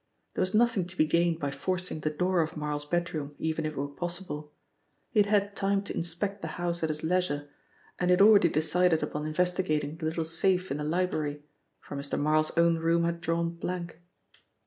There was nothing to be gained by forcing the door of Marl's bedroom, even if it were possible. He had had time to inspect the house at his leisure, and he had already decided upon investigating the little safe in the library, for Mr. Marl's own room had drawn blank.